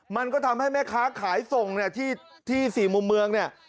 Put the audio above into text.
มันก็ทำให้แม่ค้าขายส่งเนี่ยที่๔มุมเมืองเนี่ย